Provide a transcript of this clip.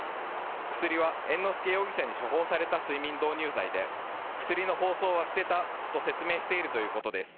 薬は猿之助容疑者に処方された睡眠導入剤で薬の包装は捨てたと説明しているということです。